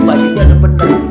baju dia ada bener